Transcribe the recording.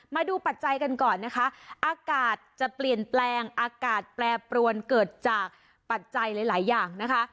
ปัจจัยกันก่อนนะคะอากาศจะเปลี่ยนแปลงอากาศแปรปรวนเกิดจากปัจจัยหลายอย่างนะคะ